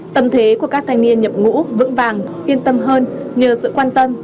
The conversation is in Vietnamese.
tâm thế của các thanh niên nhập ngũ vững vàng yên tâm hơn nhờ sự quan tâm